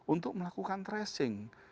untuk melakukan tracing